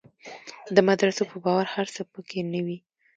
د مدرسو په باور هر څه په کې نه وي.